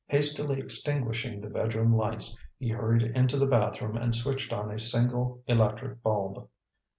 Hastily extinguishing the bedroom lights, he hurried into the bathroom and switched on a single electric bulb.